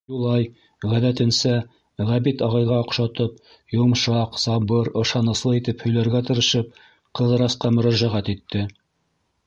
Юлай, ғәҙәтенсә, Ғәбит ағайға оҡшатып, йомшаҡ, сабыр, ышаныслы итеп һөйләргә тырышып, Ҡыҙырасҡа мөрәжәғәт итте: